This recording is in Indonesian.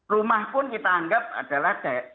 rumah pun kita anggap adalah